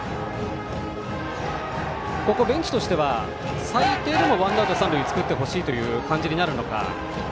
ベンチとしては最低でもワンアウト三塁を作ってほしいということになるのか。